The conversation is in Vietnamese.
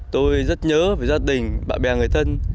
tôi rất nhớ về gia đình bạn bè người thân